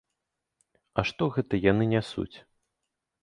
А што гэта яны нясуць?